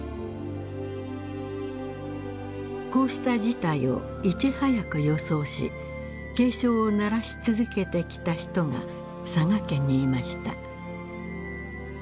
こうした事態をいち早く予想し警鐘を鳴らし続けてきた人が佐賀県にいました。